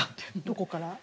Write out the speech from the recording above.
どこから？